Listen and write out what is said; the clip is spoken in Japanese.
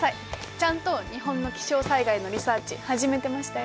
ちゃんと日本の気象災害のリサーチ始めてましたよ。